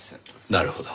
なるほど。